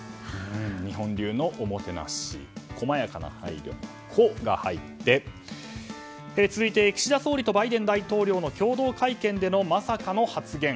日本流のおもてなし細やかな配慮の「コ」が入って、続いて岸田総理とバイデン大統領の共同会見でのまさかの発言。